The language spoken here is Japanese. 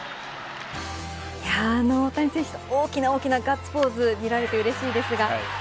大谷選手、大きな大きなガッツポーズ見られてうれしいです。